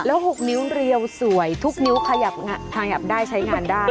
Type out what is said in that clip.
แล้ว๖นิ้วเรียวสวยทุกนิ้วขยับขยับได้ใช้งานได้